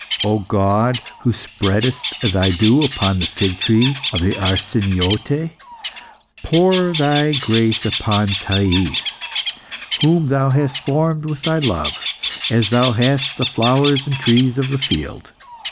O God, who spreadest Thy dew upon the fig trees of the Arsiniote, pour Thy grace upon Thais, whom Thou hast formed with Thy love, as Thou hast the flowers and trees of the field.